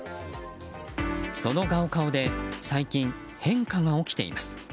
そのガオカオで、最近変化が起きています。